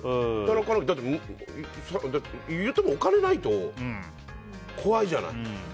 だって言ってもお金がないと怖いじゃない。